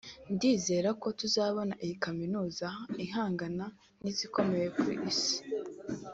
ndizera ko tuzabona iyi Kaminuza ihangana n’izikomeye ku Isi